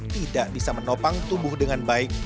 tidak bisa menopang tubuh dengan baik